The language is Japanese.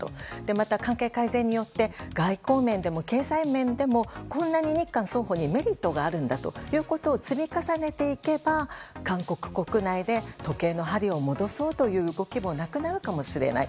また、関係改善によって外交面でも経済面でもこんなに日韓双方にメリットがあるんだということを積み重ねていけば、韓国国内で時計の針を戻そうという動きもなくなるかもしれない。